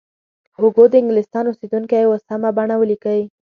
هوګو د انګلستان اوسیدونکی و سمه بڼه ولیکئ.